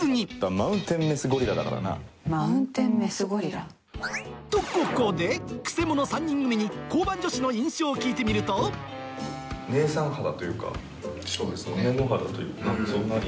マウンテンメスゴリラ？とここでクセモノ３人組に交番女子の印象を聞いてみるとただ。